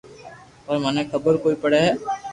پر مني خبر ڪوئي پڙي ھي